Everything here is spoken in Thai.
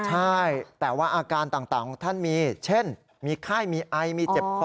ใช่แต่ว่าอาการต่างของท่านมีเช่นมีไข้มีไอมีเจ็บคอ